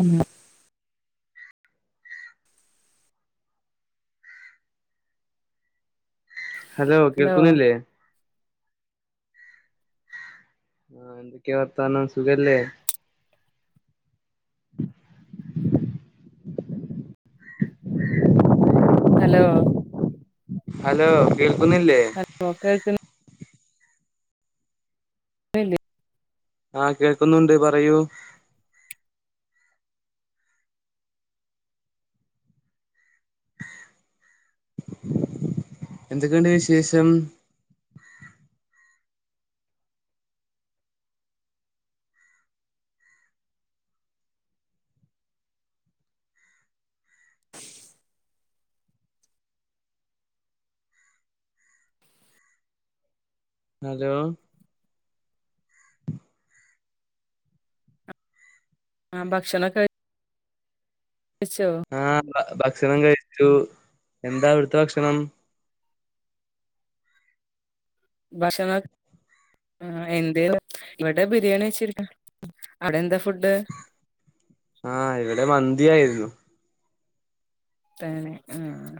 ഉം ഹലോ കേൾക്കുന്നില്ലേ ആഹ എന്തൊക്കെയാ വർത്താനം സുഖല്ലേ ഹലോ? ഹലോ? കേൾക്കുന്നില്ലേ? ഹലോ കേൾക്കുന്നില്ലേ ആഹ് കേൾക്കുന്നുണ്ട് പറയൂ [inaudible] എന്തൊക്കെയുണ്ട് വിശേശം? ഹലോ? ആഹ് ഭക്ഷണ ക ആഹ് ഭ ഭക്ഷണം കഴിച്ചു. എന്താ അവിടുത്തെ ഭക്ഷണം? ഭഷണ ആ എന്ത് ഇവിടെ ബിരിയാണി വച്ചിരിക്ക അവിടെന്താ? ആഹ് ഇവിടെ മന്തിയായിരുന്നു. തന്നെ ആഹ്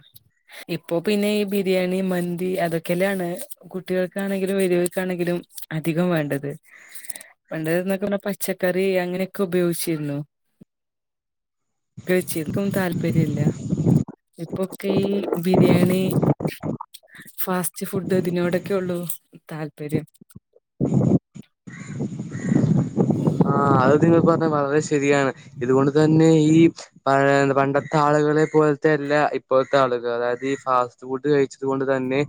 ഇപ്പൊ പിന്നെ ഈ ബിരിയാണി മന്തി അതൊക്കെല്ലാണ് കുട്ടികൾക്കാണെങ്കിലും വലി യവർക്കാണെങ്കിലും അധികം വേണ്ടത് പണ്ട് എന്നൊക്കെ പറ പച്ചക്ക റി അങ്ങനെയൊക്കെ ഉപയോഗിച്ചിരുന്നു കച്ചിക്കും താല്പര്യ ഇില്ല ഇപ്പൊക്കെ ഈ ബിരിയാണി ഫാസ്റ്റ് ച്ച് ഫുഡ് ഇതിനോടൊക്കെ ഉള്ളൂ താല്പര്യം ആ അത് നിങ്ങൾക്ക് പറഞ്ഞ വളരെ ശരിയാണ് ഇതുകൊണ്ട് തന്നെ ഈ പഴപണ്ടത്തെ ആള ആളുകളെ പോലത്തെല്ല ഇപ്പോഴത്തെ ആളുകൾ അതായത് ഈ ഫാസ്റ്റ് ഫുഡ് കഴിച്ചത് കൊണ്ട് തന്നെ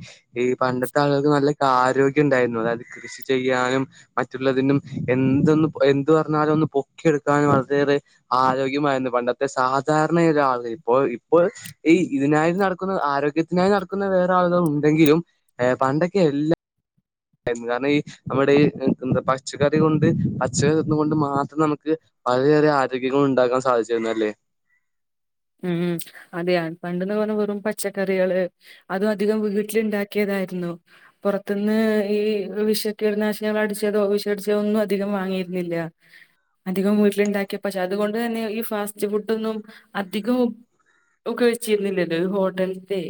ഈ പണ്ട ത്തെ ആളുകൾക്ക് നല്ല ആരോഗ്യം ഇണ്ടായിരുന്നു അതായത് കൃഷി ചെയ്യാനും മറ്റുള്ളതിനും എന്തൊന്നും എന്ത് പറഞ്ഞാലും ഒന്ന് പൊക്കിയെടുക്കാൻ വളരെയേറെ ആരോഗ്യമായിരുന്നു പണ്ടത്തെ സാധാരണയ ഒരാള് ഇപ്പോ ഇപ്പോ ഈ ഇതിനായി നടക്കുന്ന ആരോഗ്യത്തിനായി നടക്കുന്ന വേറെ ആളുകൾ ഉണ്ടെങ്കിലും എ പണ്ടൊക്കെ എല്ല കാരണം ഈ നമ്മുടെ ഈ എന്താ പച്ചക്കറി കൊണ്ട് പച്ചക്കറിന്ന കൊണ്ട് മാത്രം നമുക്ക് വളരെയേറെ ആരോഗ്യങ്ങ ഉണ്ടാക്കാൻ സാധിച്ചിുന്നല്ലേ [inaudible] ഉം അതെയാണ് പണ്ടന്ന് പറഞ്ഞറും പച്ചക്കറികള് അതും അധികം വീട്ടിൽ ഉണ്ടാക്കിയത പുറത്തുന്ന് ഈ വിഷ കീടനാശിനികൾ അടിച്ചോ വിശടിച്ചോ ഒന്നും അികം വാങ്ങ വീട്ടിലണ്ടാക്കിയ പക്ഷെ അതുകൊണ്ട് തെ ഈ ഫാസ്റ്റ് ഫുൊന്നും അധികവും ഒക്കെ വെച്ചിരുന്നില്ലല്ലോ ഒരു ഹോട്ടലത്തെ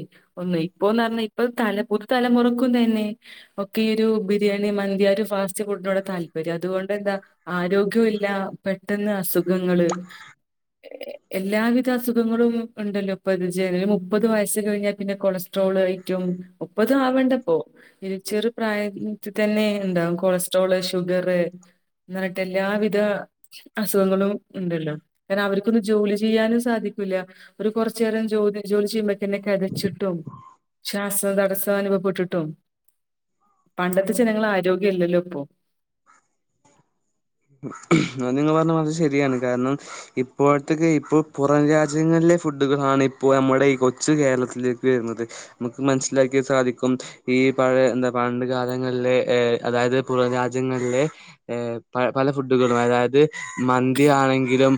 ഒന്ന് ഇപ്പൊന്ന് പറഞ്ഞാ ഇപ്പൊ തല പുതു തലമുറക്കുന്ന ഒക്കെ ഈ ഒരു ബിരിയാണി മന്തി ഒരു ഫാസ്റ്റ് ഫുഡിനോട്‌ താല്പര്യം അതുകൊണ്ട് എന്താ്യ പെട്ടെന്ന് അസുഖങ്ങ എല്ലാവിധ അസുഖങ്ങളും ഉണ്ടല്ലോ ഇപ്പത് ജ മുപ്പത് വയസ് കഴിഞ്ഞാൽ പിന്നെ കൊളസ്ട്രോൾ ആയിട്ടും ഒപ്പതും ആവണ്ടപ്പോൊ ഇരു ചെറു പ്രായത്തി തന്നെ ഉണ്ടാവും കൊളസ്ട്രോള് ഷുഗറ് എന്നിട്ട് എല്ലാവിധ അസുഖങ്ങളും ഉണ്ടല്ലോ കാരണം അവർക്കൊന്ന് ജോലി ചെയ്യാനും സാധിക്കൂില്ല ഒരു കുറച്ച നേേരം ജോലി ജോലി ചെയ്യുമ്പക്കന്നെ കതച്ചിട്ടും ശ്വാസ തടസ്സം അനുഭവപ്പെട്ടിട്ടും പണ്ടത്തെ ജനങ്ങൾ ആരോഗ്യം ഇല്ലല്ലോ ഇപ്പൊ അത് നിങ്ങൾ പറഞ്ഞ പറത് ശരിയാണ് കാരണം ഇപ്പോഴത്തെക്ക ഇപ്പൊ പുറം രാജ്യങ്ങ ന ഫുഡുകളാണ് ഇപ്പോ നമ്മുടെ ഈ കൊച്ചു കേരളത്തിലേക്ക് വരുന്നത് നമുക്ക് മനസ്സിലാക്കി സാധിക്കും ഈ പഴ എന്താ പണ്ട് കാലങ്ങളിലെ അതായത് പുറ രാജ്യങ്ങളിലെ ഏ് പല ഫുഡുകളും അതായത് മന്തി ആണെങ്കിലും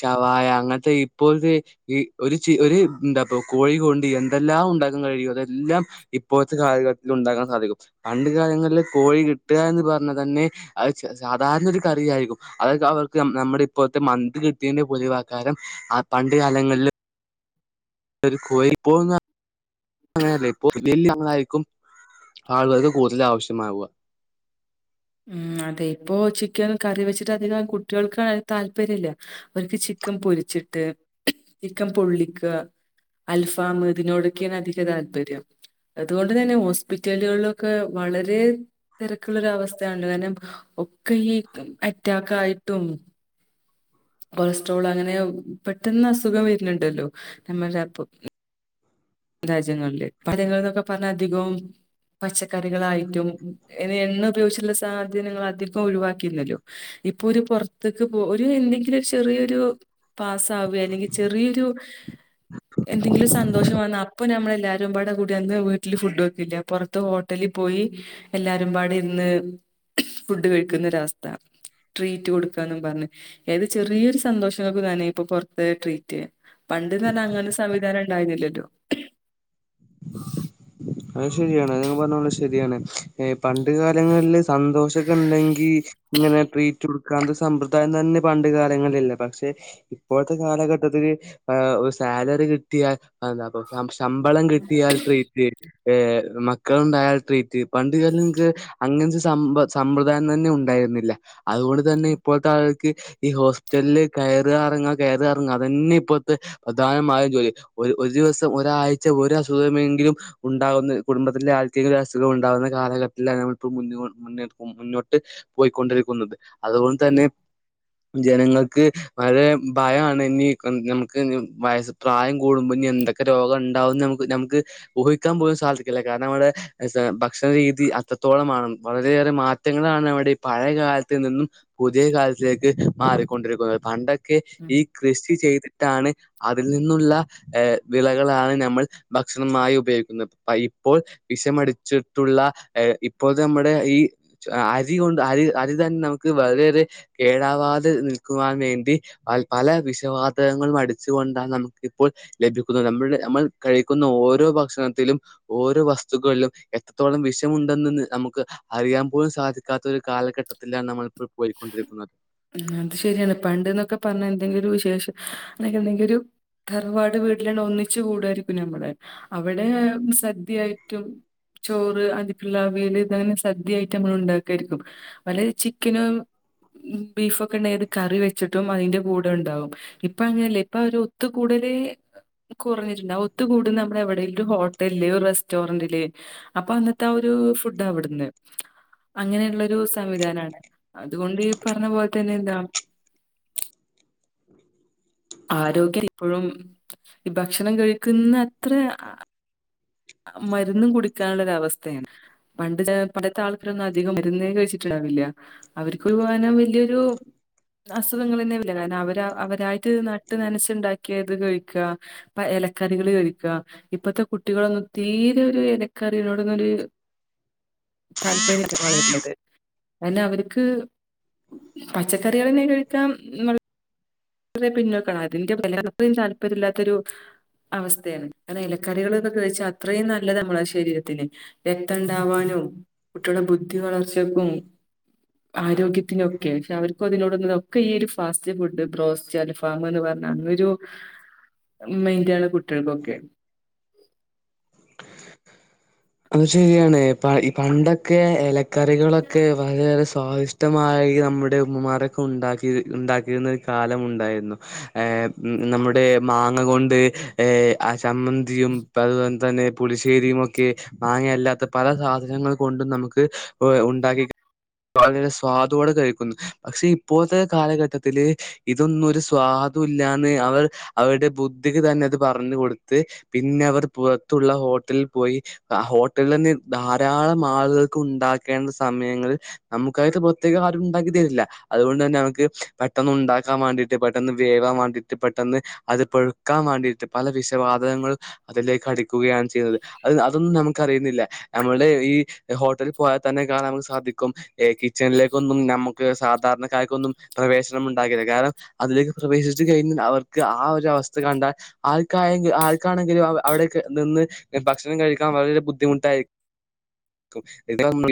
ശവായ അങ്ങനത്തെ ഇപ്പോഴത്തെ ഈ ഒരു ഒരു എന്താ കോഴി കൊണ്ട് എന്തെല്ലാം ഉണ്ടാക്കാൻ കഴിയോ അതെല്ലാം ഇപ്പോത്തെ കാലത്തിൽ ഉണ്ടാക്കാൻ സാധിക്കും പണ്ട് കാലങ്ങളിൽ കോഴി കിട്ടുക എന്ന് പറഞ്ഞാ തന്നെ സാധാരണ ഒരു കറിയയിരിക്കും അതൊ അവർക്ക് നമ്മുടെ ഇപ്പോഴത്തെ മന്ത് കിട്ടിയയിന്റെ പൊളിവാക്കാരം പണ്ട് കാലങ്ങളിൽ കോ പോകുന്ന അങ്ങനല്ല ഇ വല്യ ആളായിരിക്കും ആളുകർക്കു കൂതൽ ആവശ്യമാവുക ഉ അതെ ഇപ്പൊ ചിക്കൻ കറി വെച്ചിട്ട് അധികം കുട്ടികൾക്ക് താല്പര്യം ഇില്ല അവർക്ക് ചക്കം പൊരിച്ചിട്ട് ചിക്കം പൊള്ളിക്കുക അൽഫാമതിനോടൊക്കെയാണ് അധിക താത്പര്യം അതുകൊണ്ട് തന്നെ ഹോസ്പിറ്റലുകളിലൊക്കെ വളരെ തിരക്കുള്ളൊര അവസ്ഥ കാരണം ഒക്കെ ഈ അറ്റക്ക് ആയിട്ടും കൊളസ്ട്രോൾ അങ്ങനെ പെട്ടെന്ന് അസുഖം വരുന്നുണ്ടല്ലോ നമ്മുടെ അപ്പ രാജ്യങ്ങളില് പലങ്ങളൾ എന്നൊക്കെ പറഞ്ഞാ അധികവും പച്ചക്കറികളായിട്ടും ഇ എണ്ണ ഉപയോഗിച്ചുള്ള സാധനങ്ങൾ അധികം ഒഴിവാക്കിയിന്നല്ലോ ഇപ്പൊ ഒരു പുറത്തേക്ക് പോ ഒരു എന്തെങ്കിലും ചെറിയൊരു പാസ് ആവ അല്ലെങ്കിൽ ചെറിയൊരു എന്തെങ്കിലും സന്തോഷമാണ് അപ്പൊ നമ്മള എല്ലാരുംപാട കൂടി അന്ന് വീട്ടിൽ ഫുഡ് വെക്കില്ല പുറത്ത് ഹോട്ടലിൽ പോയി എല്ലാരുംപാട് ഫുഡ് കഴിക്കുന്നൊര അവസ്ഥ ട്രീറ്റ് കൊടുക്കാ എന്നും പറഞ്ഞഏത് ചെറിയൊരു സന്തോഷംക്ക നാനേ ഇപ്പൊ പുറത്ത് ട്രീറ്റ് ചെയ്യ പണ്ട്ന്ന അങ്ങനെ സംവിധാനം ഉണ്ടായിരുന്നില്ലല്ലോ അത് ശരിയാണ് അ പറഞ്ഞ പോത് ശരിയാണ് പണ്ട് കാലങ്ങളിൽ സന്തോഷൊക്കെ ഉണ്ടെങ്കിൽ ഇങ്ങനെ ട്രീറ്റ് കൊടുക്കാ സമ്പ്രദായം തന്നെ പണ്ട് കാലങ്ങളിലല്ലേ പക്ഷെ ഇപ്പോഴത്തെ കാലഘട്ടത്തിൽ സാലറി കിട്ടിയാൽ ശമ്പളം കിട്ടിയാൽ ട്രീറ്റ് ചെയ്യും മക്കളുണ്ടായാൽ ട്രീറ്റ് പണ്ട കാല നിങ്ങക്ക് അങ്ങന സ സമ്പ്രദായം തന്നെ ഉണ്ടായി രുന്നില്ല അതുകൊണ്ട് തന്നെ ഇപ്പോഴത്തെ ഈ ഹോസ്റ്റലില് കയറുക ഇറങ്ങ കയറ ഇറങ്ങ അത തന്നെ ഇപ്പത്തെ പ്രധാനമാ ജോലി ഒരു ഒരു ദിവസം ഒരാഴ്ച ഒരു അസുഖമെങ്കിലും ഉണ്ടാകുന്ന കുടുംബത്തിലെ ആൾക്കങ്ക ഒരു അസുഖം ഉണ്ടാകുന്ന കാലഘട്ടത്തിലാണ് നമ്മി മുന്ന മുന്നക്കും മുന്നോട്ട് പോയിക്കൊണ്ടിരിക്കുന്നത് അതുകൊണ്ട് ഉം തന്നെ ജനങ്ങൾക്ക് വളരെ ഭയമാണ് ഇനി നമുക്ക് വയസ് പ്രായം കൂടുമ്പോ ഇനി എന്തൊക്ക രോഗം ഉണ്ടാവുന്ന നമുക്ക് നമുക്ക് ഊഹി ക്കാൻ പോലും സാധിക്കില്ല കാരണം നമ്മടെ എ ഭക്ഷണരീതി അത്രത്തോളമാണ്ന്ന് വളരെയേറെ മാറ്റങ്ങളാണ് അവിടെ ഈ പഴയകാലത്ത് നിന്നും പുതിയ കാലത്തിലേക്ക് മാറിക്കൊണ്ടിരിക്കുന്നത് പണ്ടൊക്കെ ഉം എ ഈ കൃഷി ചെയ്ത് ട്ടാണ് അതിൽ നിന്നുള്ള ഏ വിളകളാണ് നമ്മൾ ഭക്ഷണമായി ഉപയോഗിക്ക ന്നത് ഇപ്പോൾ വിഷമടിച്ചിട്ടുള്ള ഏ ഇപ്പോളത്തെ നമ്മുടെ ഈ അരികൊ അരി അരി തന്നെ നമുക്ക് വളര കേടാവാതെ നിൽക്കുവാൻ വേണ്ടി പല വിഷ വാതകങ്ങളും അടിച്ചുകൊണ്ടാണ് നമുക്കിപ്പോൾ ലഭിക്കുന്നത് നമ്മളുടെ നമ്മൾ കഴിക്കുന്ന ഓരോ ഭക്ഷണ ത്തിലും ഓരോ വസ്തുക്കളിലും എത്രത്തോളം വിഷമുണ്ടെന്ന്ന്ന് നമുക്ക് അറിയാൻ പോലും സാധിക്കാത്ത കാലഘട്ടത്തിലാണ് നമ്മൾ അത് ശരിയാണ് പണ്ട്ന്നൊക്കെ പറഞ്ഞ എന്തെങ്കിലൊരു വിശേഷം എന്തെങ്കിണ്ടൊരു തറവാട് വീട്ടിലാണ് ഒന്നിച്ചു കൂടായിരിക്കും ഞമ്മള് അവിടേ സദ്യായിട്ടും ചോറ് അതിക്കുള്ളവിയൽ ഇതങ്ങനെ സദ്യായിട്ട് നമ്മൾ ഉണ്ടാക്കാരിക്കും വല്ല ചി ക്കനും ബീഫൊക്കെ ഉണ്ടത് കറി വെച്ചിട്ടും അതിന്റെ കൂടെണ്ടാവും ഇപ്പ അങ്ങനല്ലേ ഇപ്പായൊരു ഒത്തുകൂടൽ ഒരേ കുറഞ്ഞിട്ടുണ്ട് ആ ഒത്തുകൂടുന്ന നമ്മുടെ എവിടേലും ഒരു ഹോട്ടലില് ഒര് റെസ്റ്റോറന്റില് അപ്പൊ അന്നത്തെ ആ ഒരു ഊ ഫുഡ്‌ അവിടന്ന് അങ്ങനെയുള്ളൊരു സംവിധാനാണ് അതുകൊണ്ട് ഈ പറഞ്ഞ പോലെ തന്നെന്താ ആരോഗ്യംപ്പോഴും ഈ ഭക്ഷണം കഴിക്കുന്ന അത്ര മരുന്നും കുടിക്കാനുള്ളര അവസ്ഥയാണ് പണ്ട് പണ്ടത്തെ ആൾക്കാരൊന്നും അധികം മരുന്നേ കഴിച്ചിട്ടില്ല ണ്ടാവില്ല അവർക്കൊരൂപവനം വല്യൊരു അസുഖങ്ങളന്നെവർല്ല കാരണം അവ അവരായിട്ട് നട്ട് നനച്ചുണ്ടാക്കിയത് കഴിക്ക അപ്പ എൽ ലക്കറികൾ കഴിക്ക ഇപ്പഴത്തെ കുട്ടികളൊന്നും തീരേഒരു ഇലക്കറീനോടൊന്നൊരു താല്പര്യല്ലാതെ വളരുന്നത് അന്നെ അവർക്ക് പച്ചക്കറികളന്നെ കഴിക്കാം ളരെ പിന്നോക്കാണ് അതിന്റെ താല്പര്യല്ലാത്തൊരു അവസ്ഥയാണ് അത്‌ ഇലക്കറികളൊക്കെ കഴിച്ചാ അത്രയും നല്ലത് നമ്മളെ ശരീരത്തിന് രക്തം ഉണ്ടാവാനും കുട്ട്യേളെ ബുദ്ധി വളർച്ചക്കും ആരോഗ്യത്തിനൊക്കെ പക്ഷെ അവർക്കും അതിനോട ഒക്കെ ഈ ഒരു ഫാസ്റ്റ് ഫുഡ് ബ്രോസ് അൽഫാഹ്മ് എന്ന് പറഞ്ഞ അന്നൊരു മൈൻഡ് ആണ് കുട്ടികൾക്കൊക്കെ അത് ശരിയാണ് ഈ പണ്ടൊക്കെ ഇലക്കറികളൊക്കെ വളരെയേറെ സ്വാദിഷ്ടമായി നമ്മുടെ ഉമ്മമാരൊക്കെ ഉണ്ടാക്കി ഉണ്ടാക്കിയിരുന്ന ഒരു കാലം ഉണ്ടായിരുന്നു നമ്മുടെ മാങ്ങ കൊണ്ട് ഏ ചമ്മന്തിയും അതുപോലെ തന്നെ പുളിശ്ശേരിയുമൊക്കെ ആങ്ങ അല്ലാത്ത പല സാധനങ്ങൾ കൊണ്ടും നമുക്ക് ഉണ്ടാക്കി വളരെ സ്വാദോടെ കഴിക്കുന്നു പക്ഷെ ഇപ്പോഴത്തെ കാലഘട്ടത്തില് ഇതൊന്നരു സ്വാദ് ദുല്ലാന്ന് അവർ അവരുടെ ബുദ്ധിക്ക് തന്നെ അത് പറഞ്ഞ കൊടുത്ത് പിന്നെ അവർ പുറത്തുള്ള ഹോട്ടലിൽ പോയി ആഹ് ഹോട്ടലിൽ തന്നെ ധാരാളം ആളുകൾക്ക് ഉണ്ടാക്കേണ്ട സമയങ്ങളിൽ നമുക്കായിട്ട് പ്രത്യേക ആരുമുണ്ടാക്കിത്തരല്ല അതുകൊണ്ട് തന്നെ നമക്ക് പെട്ടെന്നുണ്ടാക്കാൻ വേണ്ടിട്ട് പെട്ടെന്ന് വേവാൻ വേണ്ടിട്ട് പെ ട്ടെന്ന് അത് പൊഴുക്കാൻ വേണ്ടിയിട്ട് പല വിഷവാതകങ്ങളും അതിലേക്ക് അടിക്കുകയാണ് ചെയ്യുന്നത് അത്‌ തൊന്നും നമുക്ക് അറിയുന്നില്ല നമ്മളുടെ ഈ ഹോട്ടലിൽ പോയാൽ തന്നെ കാണാൻ നമുക്ക് സാധിക്കും കിച്ചണിലേക്കൊന്നും നമുക്ക് സാധാരണ രണക്കാർക്കൊന്നും പ്രവേശനം ഉണ്ടാകില്ല കാരണം അതിലേക്ക് പ്രവേശിച്ചു കഴിഞ്ഞാൽ അവർക്ക് ആ ഒരു അവസ്ഥ കണ്ടാ ആർക്കായെങ്ക ആർക്കാണെങ്കിലും അവിടെ നിന്ന് ഭക്ഷണം കഴി ക്കാൻ വളരെ ബുദ്ധിമട്ടായിരിക്കും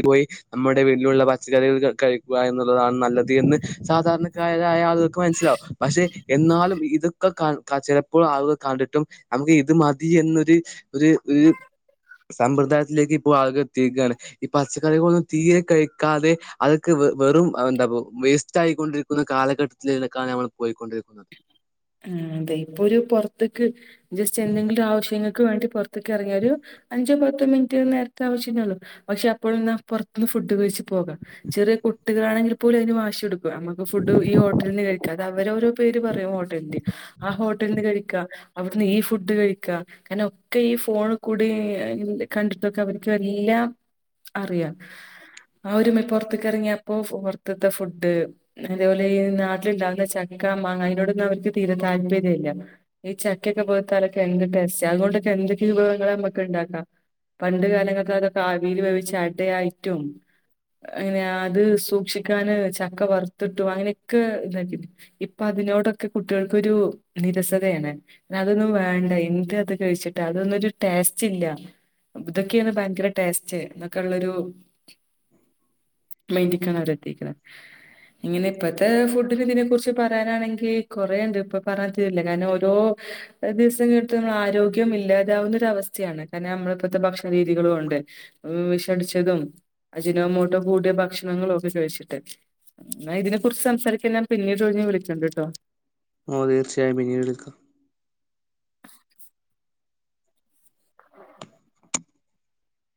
പോയി നമ്മുടെ വീട്ടിലുള്ള പച്ചക്കറികൾ കഴിക്കുക എന്നുള്ളതാണ് നല്ലത് എന്ന് സാധാരണക്കാരായ ആളുകൾക്ക് മനസ്സിലാവും പക്ഷെ എന്നാലും ഇതൊക്കെ കാ ചിലപ്പോൾ ആളുകൾ കണ്ടിട്ടും നമുക്ക് ഇത് മതി എന്നൊരു ഒരു ഒരു സമ്പ്രദായത്തിലേക്ക് ഇപ്പോ ആള്കളെത്തിരിക്കുകയാണ് ഈ പച്ചക്കറികളൊന്നും തീരെ കഴിക്കാതെ അതൊക്കെ വെ വെറും എന്താ വേസ്റ്റ് ആയിക്കൊണ്ടിരിക്കുന്ന കാലഘട്ടത്തിലേക്കാണ് നമ്മൾ പോയിക്കൊണ്ടിരിക്കുന്നത് അതെ ഇപ്പൊ ഒരു പുറത്തേക്ക് ജസ്റ്റ് എന്തെങ്കിലും ആവശ്യങ്ങൾക്ക് വേണ്ടി പൊറത്ത്ക്ക് ഇറങ്ങിയ ഒരു അഞ്ചോ പത്തോ മിനിറ്റ് നേരത്തെ ആവശ്യമേയുള്ളൂ പക്ഷെ അപ്പോഴെന്നാ പുറത്തുന്ന് ഫുഡ് കഴിച്ച് പോകലാ ചെറിയ കുട്ടികളാണെങ്കിൽ പോലും അതിന് വാശി പിടിക്കുവാ നമുക്ക് ഫുഡ് ഈ ഹോട്ടലിൽ നിന്ന് കഴിക്കാം അത് അവര് ഓരോ പേര് പറയും ആ ഹോട്ടല്ന്ന് കഴിക്കാം അവിട്ന്ന് ഈ ഫുഡ് കഴിക്കാം അങ്ങനെ ഒക്കെ ഈ ഫോണിൽ കൂടി കണ്ടിട്ടൊക്കെ അവർക്ക് എല്ലാം അറിയാം ആ ഒരുമ പുറത്തക്ക് ഇറങ്ങിയപ്പോ പുറത്തത്തെ ഫുഡ് അതേപോലെ ഈ നാട്ടിലുണ്ടാവുന്ന ചക്ക ക്ക മാങ്ങ അതിനോടൊന്നും അവർക്ക് തീരെ താല്പര്യല്ല ഈ ചക്ക ഒക്കെ പഴ്ത്താലൊക്കെ എന്ത് ടേസ്റ്റാ അതുകൊണ്ടൊക്കെ എന്തൊക്കെ വിഭവങ്ങള നമുക്ക് ഇ ണ്ടാക്കാം പണ്ട് കാലങ്ങളങ്ങളിൽ അതൊക്കെ ആവിൽ വേവിച്ച അടയായിട്ടും അങ്ങനെയാ അത് സൂക്ഷിക്കാന് ചക്ക വറ്ത്ത്ട്ടും അങ്ങനെയൊക്കെ ഇതാക്കീട്ട് ഇപ്പതിനോടൊക്കെ കുട്ടികൾക്കൊരു നിരസതയാണ് അതൊന്നും വേണ്ട എന്ത് അത് ചോയ്ച്ചിട്ട് അതൊന്നൊരു ടെസ്റ്റില്ല ഇതൊക്ക്‌യെണ് ഭയങ്കര ടേസ്റ്റ് എന്നൊക്ക്‌ള്ളൊരു മൈന്റ്ക്കാണവരെത്തീക്കണ് ഇങ്ങനെ ഇപ്പത്തെ ഫുഡിനെ ഇതിനെ കുറിച്ച് പറയാനാണെങ്കി കൊറെഇണ്ട് ഇപ്പപറഞ്ഞാൽ തീരില്ല കാരണം ഓരോ ദിവസം കിട്ടുന്ന ആരോഗ്യം ഇല്ലാതാവുന്ന ഒരു അവസ്ഥ യാണ് കാരണം നമ്മളിപ്പത്ത ഭക്ഷണ രീതികള് കൊണ്ട് വിഷടിച്ചതും അജിനോമോട്ടോ കൂടിയ ഭക്ഷണങ്ങളൊക്കെ ചോയ്ച്ച്ട്ട് എന്നാ ഇതിനെ കുറിച്ച് സംസാരിക്കാൻ ഞാൻ പിന്നീട് ഒഴിഞ്ഞ് വിളികണ്ട് ട്ടോ ഓഹ് തീർച്ചയായും ഇനിയും എടുക്കാം [inaudible]